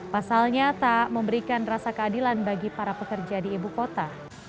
pasalnya tak memberikan rasa keadilan bagi para pekerja di ibu kota